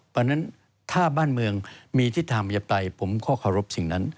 เพราะฉะนั้นถ้าบ้านเมืองมีทิศทางประชาธิปไตยผมก็ขอรบสิ่งนั้น